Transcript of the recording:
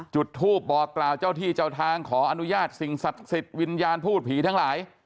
จุดทูปบอกกล่าวเจ้าที่เจ้าทางขออนุญาตสิ่งศักดิ์สิทธิ์วิญญาณพูดผีทั้งหลาย